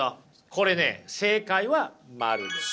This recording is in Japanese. これね正解は○です。